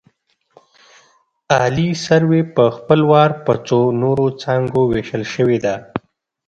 عالي سروې په خپل وار په څو نورو څانګو ویشل شوې ده